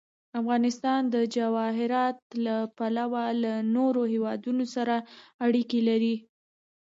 افغانستان د جواهرات له پلوه له نورو هېوادونو سره اړیکې لري.